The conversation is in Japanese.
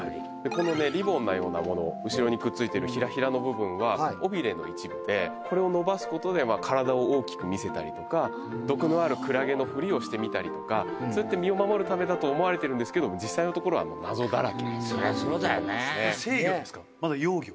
このねリボンのようなもの後ろにくっついてるヒラヒラの部分は尾ビレの一部でこれを伸ばすことで体を大きく見せたりとか毒のあるクラゲのふりをしてみたりとかそうやって身を守るためだと思われてるんですけど実際のところは謎だらけなそりゃそうだよねまだ幼魚？